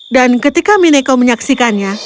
dan ketika mineko menyaksikannya